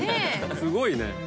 すごいね。